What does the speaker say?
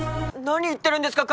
何言ってるんですか？